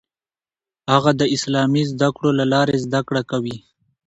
هغه د اسلامي زده کړو له لارې زده کړه کوي.